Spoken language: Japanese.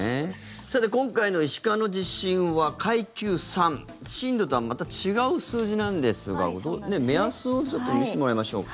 さて今回の石川の地震は階級３震度とはまた違う数字なんですが目安を見せてもらいましょうか。